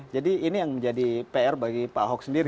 jadi ini yang menjadi pr bagi pak ahok sendiri